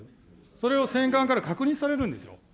それを選管から確認されるんですよ。